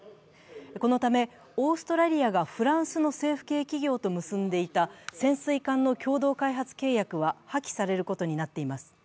このためオーストラリアがフランスの政府系企業と結んでいた潜水艦の共同開発契約は破棄されることになっています。